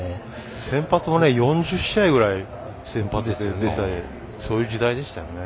先発も４０試合ぐらい先発しててそういう時代でしたよね。